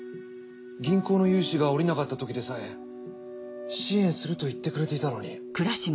銀行の融資がおりなかったときでさえ支援すると言ってくれていたのに。